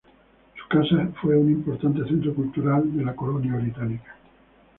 Su casa fue un importante centro cultural de la colonia británica.